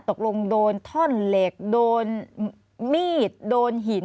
โดนท่อนเหล็กโดนมีดโดนหิน